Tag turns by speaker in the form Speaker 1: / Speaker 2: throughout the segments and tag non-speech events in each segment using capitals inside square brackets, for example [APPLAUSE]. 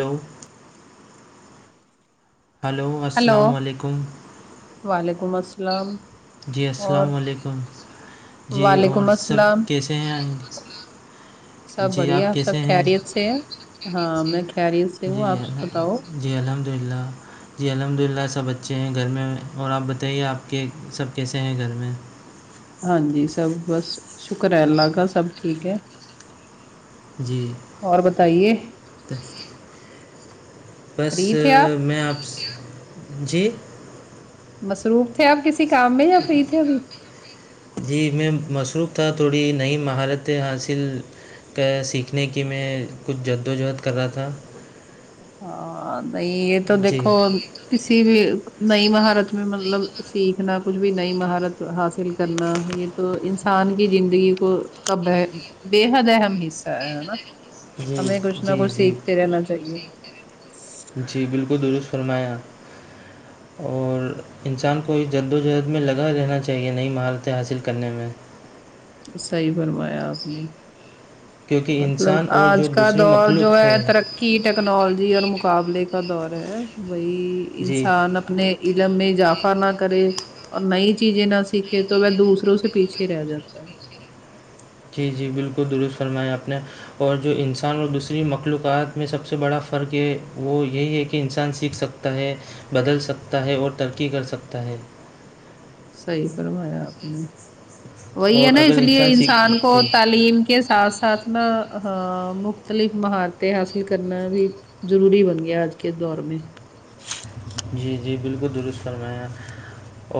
Speaker 1: hello hello
Speaker 2: hello
Speaker 1: السلام علیکم
Speaker 2: وعلیکم السلام
Speaker 1: جی
Speaker 2: اور
Speaker 1: السلام علیکم جی اور
Speaker 2: وعلیکم
Speaker 1: سب
Speaker 2: السلام
Speaker 1: کیسے ہیں
Speaker 2: سب
Speaker 1: جی
Speaker 2: بڑھیا آپ سب
Speaker 1: کیسے ہیں
Speaker 2: خیریت سے ہے ہاں میں خیریت سے
Speaker 1: جی
Speaker 2: ہوں آپ بتاؤ
Speaker 1: جی الحمد للہ جی الحمد للہ سب اچھے ہیں گھر میں اور آپ بتائیے آپ کے سب کیسے ہیں گھر میں
Speaker 2: ہاں جی سب بس شکر ہے اللہ کا سب ٹھیک ہے
Speaker 1: [INAUDIBLE]
Speaker 2: اور بتائیے
Speaker 1: بس
Speaker 2: فری تھے
Speaker 1: میں آپ جی
Speaker 2: مصروف تھے آپ کسی کام میں یا فری تھے ابھی
Speaker 1: جی میں مصروف تھا تھوڑی نئی مہارتیں حاصل کا سیکھنے کی میں کچھ جدوجہد کر رہا تھا
Speaker 2: ہاں نہیں یہ تو
Speaker 1: جی
Speaker 2: دیکھو کسی بھی نئی مہارت میں مطلب سیکھنا کچھ بھی نئی مہارت حاصل کرنا یہ تو انسان کی زندگی کو کا بے حد اہم حصہ ہے ہے نا
Speaker 1: جی
Speaker 2: ہمیں کچھ نہ
Speaker 1: جی
Speaker 2: کچھ
Speaker 1: جی
Speaker 2: سیکھتے رہنا چاہیے
Speaker 1: جی بالکل درست فرمایا [INAUDIBLE] اور انسان کو جد و جہد میں لگا رہنا چاہیے نئی مہارتیں حاصل کرنے میں
Speaker 2: صحیح فرمایا آپ نے
Speaker 1: کیونکہ
Speaker 2: مطلب
Speaker 1: انسان اور جو
Speaker 2: آج کا
Speaker 1: دوسری
Speaker 2: دور جو
Speaker 1: مخلوق
Speaker 2: ہے تر کی ٹیکنالوجی اور مقابلے کا دور ہے وہی
Speaker 1: جی
Speaker 2: انسان اپنے علم میں اضافا نہ کر اور نئی چیزیں نہ سیکھے تو وہ دوسروں سے پیچھے رہ جاتا ہے
Speaker 1: جی جی بالکل درست فرمایا آپ نے اور جو انسان اور دوسری مخلوقات میں سب سے بڑا فرق ہے وہ یہی ہے کہ انسان سیکھ سک ہے بدل سکتا ہے اور ترقی کر سکتا ہے
Speaker 2: صحی برمایا آپ نے وہی ہے
Speaker 1: اور
Speaker 2: نا
Speaker 1: اگر
Speaker 2: اس لیے
Speaker 1: سیکھ
Speaker 2: انسان کو
Speaker 1: جی
Speaker 2: تعلیم کے ساتھھ ساتھنا ہاں مختلف مہارتیں حاصل کرنا بھی ضروری بن گیا آج کے دور میں
Speaker 1: جی جی بالکل درست فرما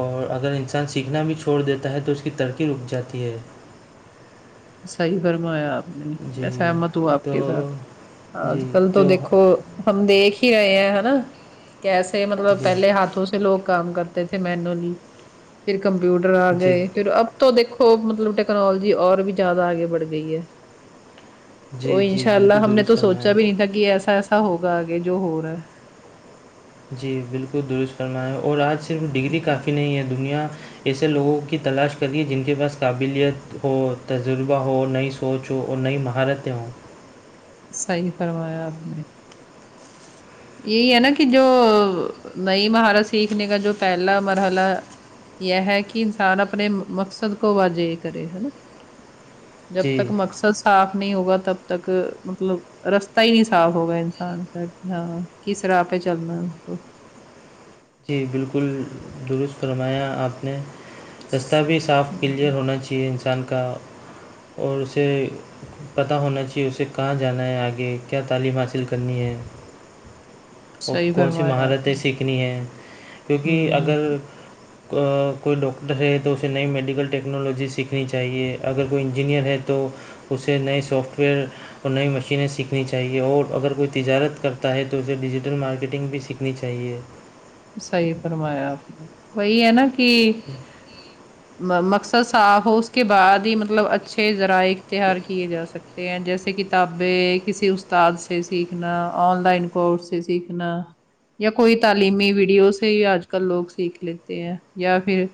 Speaker 1: اور اگر انسان سیکھنا بھی چھوڑ دیتا ہے تو اس کی ترقی رک جاتی ہے
Speaker 2: صحیح فرمایا آپ نے
Speaker 1: جی
Speaker 2: میں سہمت ہوں آپ
Speaker 1: تو
Speaker 2: کے ساتھ
Speaker 1: جی
Speaker 2: آج کل تو
Speaker 1: جو
Speaker 2: دیکھو ہم دیکھ ہی رہے ہیں نا کیسے مطلب
Speaker 1: جی
Speaker 2: پہلے ہاتھوں پ لوگ کام کرتے تھے مینولی پھر کمپیوٹر آ
Speaker 1: جی
Speaker 2: گئے پھر اب تو دیکو مطلب ٹیکنالوجی اور بھی زیادہ آگے بڑھ گئی ہے تو
Speaker 1: جی جی
Speaker 2: انشاء اللہ
Speaker 1: بالکل
Speaker 2: ہم نے
Speaker 1: درست
Speaker 2: تو
Speaker 1: فرمایا
Speaker 2: سوچا بھی نہیں تھا کہ ایسا ایسا ہوگا آگے جو ہو رہا ہے
Speaker 1: جی بالکل درست فرما ہے اور آج صرف
Speaker 2: ہے
Speaker 1: ڈگری کافی نہیں ہے دنیا ایسے لوگوں کی تلاش کریے جن کے پاس قابلیت ہو تجربہ ہو نئی سوچوں اور نئی مہارتیں ہوں
Speaker 2: صحیح فرمایا آپ نے یہی ہے نا کہ جو نئی مہارت سیکھنے کا جو پہلا مرحلہ یہ ہے کہ انسان اپنے مقصد کو واجے کرے ہےا
Speaker 1: [INAUDIBLE]
Speaker 2: جب تک مقصد صاف نہیں ہوگا تب تک مطلب رستہ ہی نہیں صاف ہوگا انسان کا کہ ہاں کس طرح پہ چلنا ہے
Speaker 1: جی بالکل درست فرمایا آپ نے دستاویز صاف کلیئر
Speaker 2: ہ
Speaker 1: ہونا چاہیے انسان کا اور اسے پتاہ ہونا چاہیے اسے کہاں جانا ہے آگے کیا تعلیم حاصل کرنی ہے اور
Speaker 2: صحیح
Speaker 1: کون سی
Speaker 2: فرمایا آپ
Speaker 1: مہارتیں
Speaker 2: نے
Speaker 1: سیکھنی ہیں کیونکہ اگر
Speaker 2: ہ
Speaker 1: کوئی ڈاکٹر ہے تو اسے نئی میڈیکل ٹیکنالوجی سیکھنی چاہیے اگر کوئی انجینئر ہے تو اسے نئے سافٹ ویئر اور نئی مشینیں سیکھنی چاہیے اور اگر کوئی تجارت کرتا ہے تو اسے ڈیجیٹل مارکیٹنگ بھی سیکھ رنی چاہیے
Speaker 2: صحی فرمایا آپ نے وہی ہے نا کہ مقصد صاف ہو اس کے بعد ہی مطلب اچھے ذرائع اختیہار کیے جا سکتے ہیں جیسے کتابیں کسی استاد سے سیکھنا آن لائن کورس سے سیکھنا یا کوئی تعلیمی ویڈیو سے ہی آج کل لوگ سیکھ لیتے ہیں یا پھر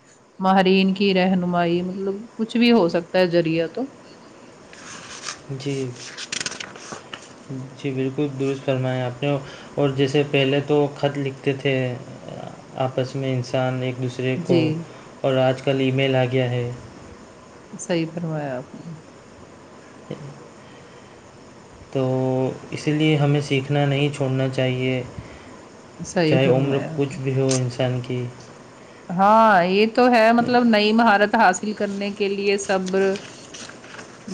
Speaker 2: ماہرین کی رہنمائی مطلب کچھ بھی ہو سکتا ہے ذریعہ تو
Speaker 1: جی جی بالکل درست فرمائیں آپ نے اور جیسے پہلے تو خط لکھتے تھے آپس میں انسان ایک دوسرے رے کو
Speaker 2: جی
Speaker 1: اور آج کل ای میل آ گیا ہے
Speaker 2: صحیح پروایا آپ نے
Speaker 1: ج تو اسی لیے ہمیں سیکھنا نہیں چھوڑنا چاہیے
Speaker 2: صحیح
Speaker 1: چاہے عمر
Speaker 2: فرمایا آپ
Speaker 1: کچھ بھی ہو انسان کی
Speaker 2: ہاں یہ تو ہے مطلب نئی مہارت حاصل کرنے کے لیے صبر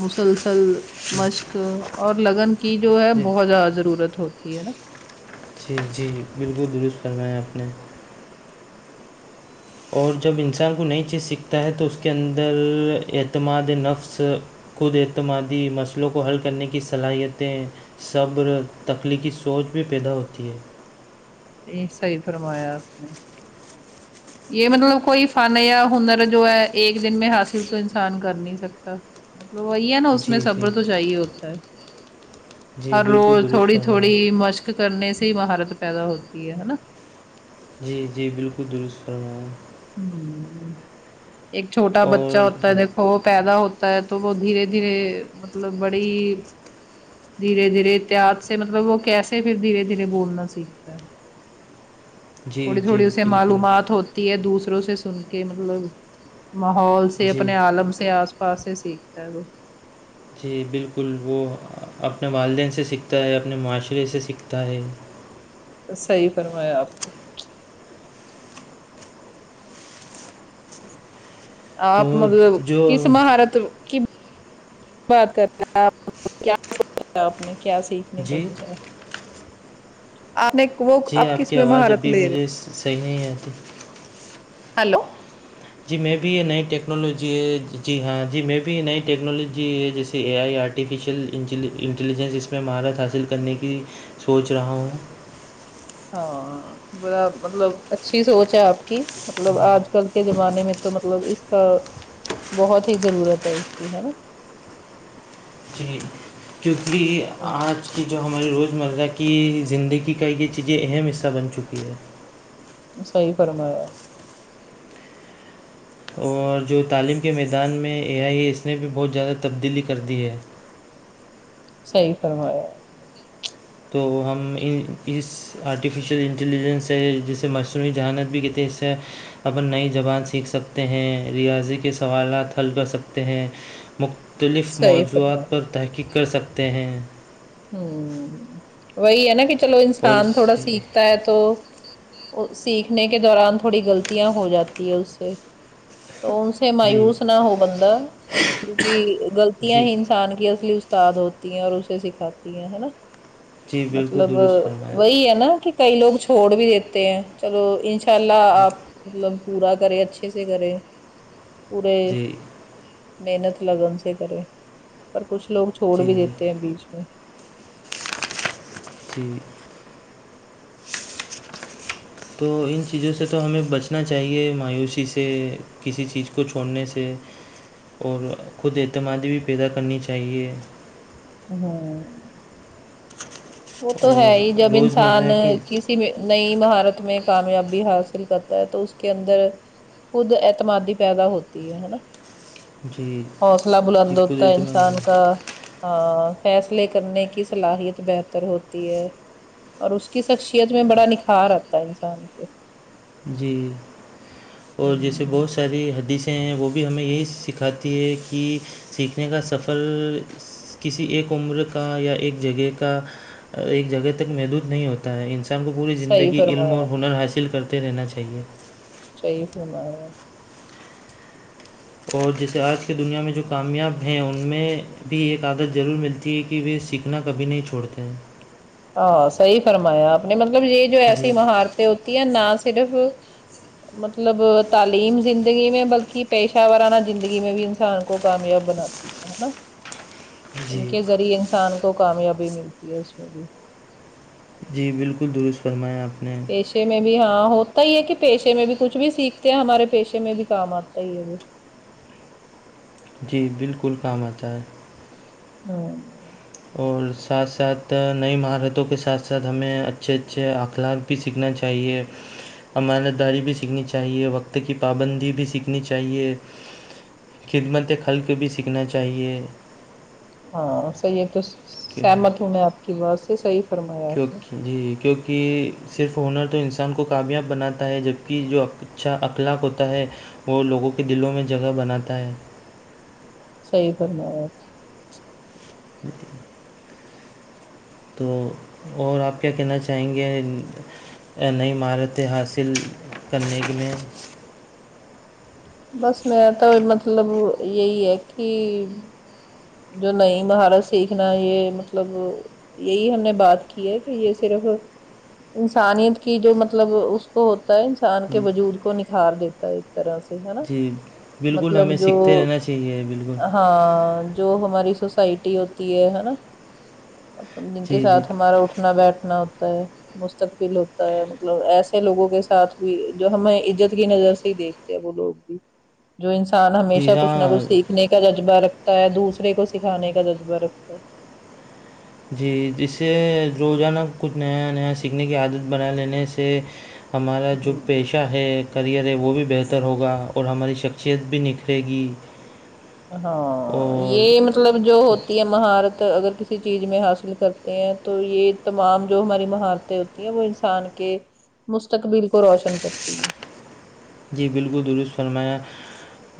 Speaker 2: مسلسل مشق اور لگن کی جو ہے
Speaker 1: جی
Speaker 2: بہت زیادہ ضرورت ہوتی ہے نا
Speaker 1: جی جی بالکل درست فرمایا آپ نے اور جب انسان کو نئی چیز سیکھتا ہے تو اس کے اندر اعتماد نفس خود اعتمادی مسئلوں کو حل کرنے کی صلاحیتیں صبر تخلیقی سوچ بھی پیدا ہوتی ہے
Speaker 2: یہ صی فرمایا آ نے یہ مطلب کوئی فن یا ہنر جو ہے ایک دن میں حاصل تو انسان کر نہیں سکتا مطلب وہی ہے نا اس میں
Speaker 1: جی جی
Speaker 2: صبر تو چاہیے ہوتا ہے
Speaker 1: جی
Speaker 2: ہر روز
Speaker 1: بالکل درست
Speaker 2: تھوڑی
Speaker 1: فرمایا
Speaker 2: تھوڑی مشق کرنے سے ہی مہارت پیدا ہوتی ہے ہے نا
Speaker 1: جی جی بالکل درست فرمایا
Speaker 2: ہ ایک چھوٹا بچہ
Speaker 1: اور
Speaker 2: ہوتا ہے دیکھو وہ پیدا ہوتا ہوتا ہے تو وہ دھیرے دھیرے مطلب بڑی دھیرے دھیرے اتحد سے مطلب وہ کیسے پھر دھیرے دھیرے بولنا سیکھتا ہے
Speaker 1: [INAUDIBLE]
Speaker 2: تھوڑی تھوڑی
Speaker 1: جی
Speaker 2: اسے
Speaker 1: بالکل
Speaker 2: معلومات ہو دوسروں سے سن کے مطلب ماحول سے
Speaker 1: جی
Speaker 2: اپنے عالم سے آسا پاس سے سیکھتا ہے وہ
Speaker 1: جی بالکل وہ اپنے والدین سے سیکھتا ہے اپنے معاشرے سے سیکھتا ہے
Speaker 2: صحیح فرمایا آپ نے
Speaker 1: تو
Speaker 2: آپ مطلب
Speaker 1: جو
Speaker 2: کس مہارت کی بات کر رہ آپ نے کیا سیکھنے کا
Speaker 1: جی
Speaker 2: سوچایا آپ نے وہ
Speaker 1: جی
Speaker 2: اب
Speaker 1: آپ
Speaker 2: کس
Speaker 1: کی
Speaker 2: میں
Speaker 1: آواز
Speaker 2: مہارت
Speaker 1: ابھی
Speaker 2: لے
Speaker 1: مجھے صحیح نہیں
Speaker 2: رہے
Speaker 1: آتی
Speaker 2: ہلو
Speaker 1: جی میں بھی یہ نئی ٹیکنالوجی ہے جی ہاں جی میں بھی نئی ٹیکنالوجی ہے جیسے A I art artificial intelligence اس میں مہارت حاصل کرنے کی سوچ رہا ہوں
Speaker 2: ہاں بڑا مطلب اچھی سوچ ہے آپ کی مطلب آج کل کے زمانے میں تو مطلب اس کا بہت ہی ضرورت ہے اس کی ہے نا
Speaker 1: جی کیونکہ آج کی جو ہماری روز مرہ کی زندگی کا یہ چیزیں اہم حصہ بن چکی ہیں چکی ہے
Speaker 2: صحیح فرمایا
Speaker 1: اور جو تعلیم کے میدان میں اے آئی ہے اس نے بھی بہت زیادہ تبدیلی کر دی ہے
Speaker 2: صی فرمایا
Speaker 1: تو ہم اس آرٹیفیشیل انٹیلیجنس ہے جسے مصروعی جہانت بھی کتےنے حصہ ہے اپن نئی زبان سیکھ سکتے ہیں ریاضی کے سوالات حل کر سکتے ہیں مختلف
Speaker 2: صحیح فرمایا
Speaker 1: موضوعات پر تحقیق کر سکتے ہیں
Speaker 2: ہوں وہی ہے نا کہ چلو
Speaker 1: اور اس
Speaker 2: انسان تھوڑا سیکھتا ہے تو سیکھنے کے دوران تھوڑی غلطیاں ہو جاتی ہے اس سے تو اے
Speaker 1: جی
Speaker 2: مایوس نہ ہو بند کیونکہ گغلطیا
Speaker 1: جی
Speaker 2: ہی انسان کی اصلی استاد ہوتی ہیں اور اسے سکھاتی ہیں ہے نا
Speaker 1: جی بالکل
Speaker 2: مطلب
Speaker 1: درست فرمایا
Speaker 2: وہی ہے نا کہ کئی لوگ چھوڑ بھی دیتے ہیں چلو انشاء اللہ آپ مطلب پورا کرے اچھے سے کرے پورے
Speaker 1: جی
Speaker 2: محنت لگن سے کرے پر کچھ لوگ چھوڑ
Speaker 1: جی
Speaker 2: بھی
Speaker 1: جی
Speaker 2: دیتے ہیں بیچ میں
Speaker 1: [INAUDIBLE] تو ان چیزوں سے تو ہمیں بچنا چاہیے مایوسی سے کسی چیز اس کو چھوڑنے سے اور خود اعتمادی بھی پیدا کرنی چاہیے
Speaker 2: ہاں وہ تو ہے
Speaker 1: اور
Speaker 2: ہی جب انسان
Speaker 1: روزمرہ کی
Speaker 2: ک نئی مہارت میں کامیابی حاصل کرتا ہے تو اس کے اندر خود اعتمادی پیدا ہوتی ہے ہے نا
Speaker 1: جی
Speaker 2: حوصلہ
Speaker 1: جی
Speaker 2: بلند
Speaker 1: خود
Speaker 2: ہوتا انسان کا
Speaker 1: اعتمادی
Speaker 2: ہاں فیصلے کرنے کی صلاحیت بہتر ہوتی ہے اور اس کی شخصیت میں بڑا نکھار آتا ہے انسان کے
Speaker 1: جی
Speaker 2: ہ
Speaker 1: اور جیسے بہت س ساری حدیثیں ہیں وہ بھی ہمیں یہی سکھاتی ہے کہ سیکھنے کا سفر کسی ایک عمر کا یا ایک جگہ کا ایک جگہ تک محدود نہیں ہوتا ہوتا ہے انسان کو پوری
Speaker 2: صحیح
Speaker 1: زندگی علم
Speaker 2: فرمایا
Speaker 1: اور ہنر حاصل کرتے رہنا چاہیے
Speaker 2: صحیح ہوما
Speaker 1: اور جیسے آج کے دنیا میں جو کامیاب ہیں ان میں بھی ایک عادت ضرور ملتی ہے کہ وہ سیکھ اتنا کبھی نہیں چھوڑتے ہیں
Speaker 2: ہ صحی فرمایا آپ نے مطلب یہ جو
Speaker 1: جی
Speaker 2: ایسی مہارتیں ہوتی ہیں نہ صرف مطلب تعلیم زندگی میں بلکہ پیشہ وورانہ زندگی میں بھی انسان کو کامیاب بناتی نا ان
Speaker 1: جی
Speaker 2: کے ذریعے انسان کو کامیابی ملتی ہے اس میں بھی
Speaker 1: جی بالکل درست فرمایا آپ نے
Speaker 2: پیشے میں بھی ہاں ہوتا ہی ہے کہ پیشے میں بھی کچھ بھی سیکھتے ہیں ہمارے پیشے میں بھی کام آتا ہی ہے وہ
Speaker 1: جی بالکل کام آتا ہے
Speaker 2: ہ
Speaker 1: اور ساتھ ساتھ نئی مہارتوں کے ساتھ ساتھ ہمیں اچھے اچھے اخلاق بھی سیکھنا چاہیے امانت داری بھی سیکھنی چاہیے وقت کی پابندی بھی سیکھنی چاہیے خدمت خلق بھی سیکھنا چاہیے
Speaker 2: ہاں صحیح تو سہمت ہوں میں آپ کی بات سے صحیح فرمایا آپ نے
Speaker 1: کیونکہ جی کیونکہ صرف ہنر تو انسان کو کامیاب بناتا ہے جبکہ جو اچھا اخلاق ہوتا ہے وہ لوگوں کے دلوں میں جگہ بناتا ہے
Speaker 2: صی بنا
Speaker 1: ج تو اور آپ کیا کہنا چاہیں گے نئی مہارتیں حاصل کرنے میں
Speaker 2: بس ما تو مطلب یہی ہے کہ جو نئی مہارت سیکھنا یہ مطلب یہی ہم نے بات کی ہے کہ یہ صرف انسانیت کی جو مطلب اس تو ہوتا ہے انسان کے
Speaker 1: جی
Speaker 2: وجود کو نکھار دیتا ہے ایک طرح سے ہے نا
Speaker 1: جی بالکل
Speaker 2: مطلب
Speaker 1: ہمیں
Speaker 2: جو
Speaker 1: سیکھتے رہنا چاہیے بالکل
Speaker 2: ہاں جو ہماری سوسائٹی ہوتی ہے نا جن کے
Speaker 1: جی جی
Speaker 2: ساتھ ہمارا انا بیٹھنا ہوتا ہے مستقبل ہوتا ہے مطلب ایسے لوگوں کے ساتھ بھی جو ہمیں عزت کی نظر سے دیکھ وہ لوگ بھی جو انسان ہمیشہ
Speaker 1: جی
Speaker 2: کچھ نہ
Speaker 1: ہاں
Speaker 2: کچھ سیکھنے کا جذبہ رکھتا ہے دوسرا دوسرے کو سکھانے کا جذبہ رکھتا
Speaker 1: جی جس سے روزانہ کچھ نیا نیا سیکھنے کی عادت بنا لینے سے ہمارا جو
Speaker 2: ہ
Speaker 1: پیشہ ہے کریئر ہے وہ بھی بہتر ہوگا اور ہماری شخصیت بھی نکھرے گی
Speaker 2: ہاں
Speaker 1: اور
Speaker 2: یہ مطلب جو ہوتی ہے مہارت اگر کسی چیز میں حاصل کرتے ہیں تو یہ تمام جو ہماری مہارتیں ہوتی ہیں وہ انسان کے مستقبل کو روشن کرتی ہے
Speaker 1: جی بالکل درست فرمایا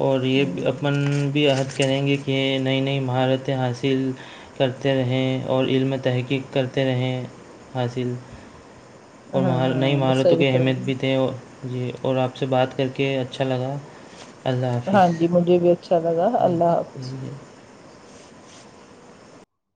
Speaker 1: اور
Speaker 2: ہ
Speaker 1: یہ اپن بھی عہد کریں گے یہ نئی نئی مہارتیں حاصل کرتے رہیں اور علم تحقیق کرتے رہیں حاصل اور
Speaker 2: ہاں
Speaker 1: م نئی
Speaker 2: ہاں
Speaker 1: مہارتوں
Speaker 2: صحیح
Speaker 1: کے اہمیت بھی
Speaker 2: فرما
Speaker 1: تھے اور جی اور آپ سے بات کر کے اچھا لگا اللہ
Speaker 2: ہاں جی
Speaker 1: حافظ
Speaker 2: مجھے بھی اچھا لگا اللہ حافظ